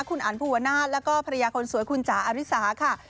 คุณอันภูวนาศแล้วก็ภรรยาคนสวยคุณจ๋าอาริสาค่ะ